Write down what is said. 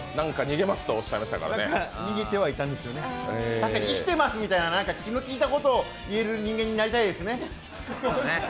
確かに生きてますみたいな気の利いたことをお父さんになったしね。